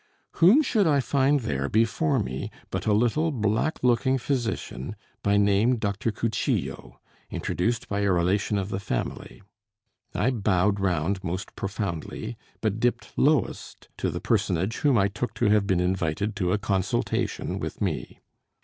Whom should I find there before me but a little black looking physician, by name Dr. Cuchillo, introduced by a relation of the family. I bowed round most profoundly, but dipped lowest to the personage whom I took to have been invited to a consultation with me.